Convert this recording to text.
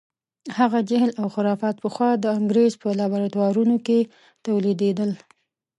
هغه جهل او خرافات پخوا د انګریز په لابراتوارونو کې تولیدېدل.